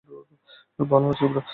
ভালো আছি আমরা।